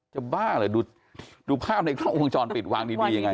บ้าเหรอดูภาพในกล้องวงจรปิดวางดียังไง